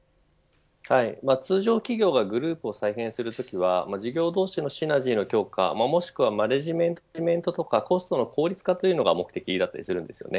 通常企業がグループを再編するときは事業同士のシナジーの強化もしくはマネジメントとかコストの効率化が目的だったりします。